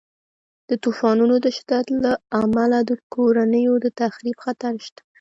د طوفانونو د شدت له امله د کورنیو د تخریب خطر شته.